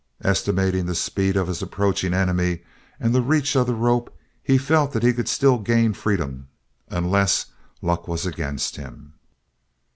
Estimating the speed of his approaching enemy and the reach of the rope he felt that he could still gain freedom unless luck was against him.